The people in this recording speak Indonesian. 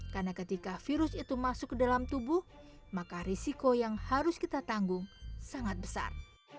karena ketika virus itu masuk ke dalam tubuh maka risiko yang harus kita tanggung sangat besar